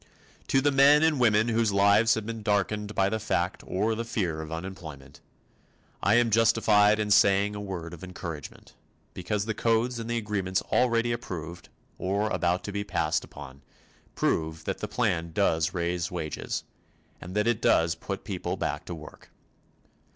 To the men and women whose lives have been darkened by the fact or the fear of unemployment, I am justified in saying a word of encouragement because the codes and the agreements already approved, or about to be passed upon, prove that the plan does raise wages, and that it does put people back to work.